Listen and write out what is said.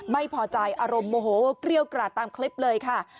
ไม่พอใจอารมณ์โมโหเกรี้ยวกราดตามคลิปเลยค่ะ